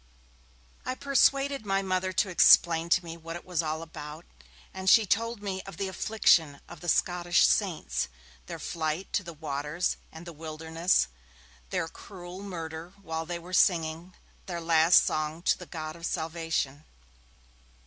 I persuaded my Mother to explain to me what it was all about, and she told me of the affliction of the Scottish saints, their flight to the waters and the wilderness, their cruel murder while they were singing 'their last song to the God of Salvation'.